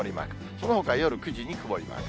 そのほか夜９時に曇りマーク。